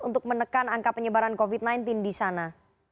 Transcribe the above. untuk menekan angka penyebaran covid sembilan belas di sana